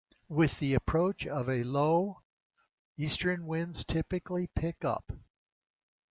With the approach of a low, easterly winds typically pick up.